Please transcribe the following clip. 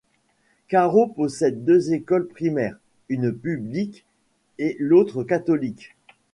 Caro possède deux écoles primaires, une publique et l'autre catholique.